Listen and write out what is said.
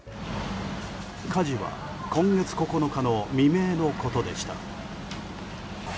火事は今月９日の未明のことでした。